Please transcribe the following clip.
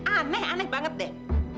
aneh aneh banget deh